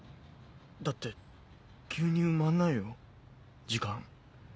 だって急に埋まんないよ時間。